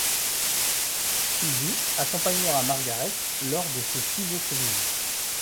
Shizue accompagnera Margaret lors de ces six autres visites.